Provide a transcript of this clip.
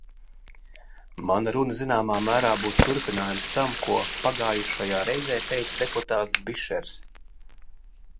Mana runa zināmā mērā būs turpinājums tam, ko pagājušajā reizē teica deputāts Bišers.